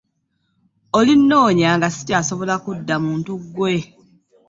Olinoonya nga sikyasobola kudda muntu gwe.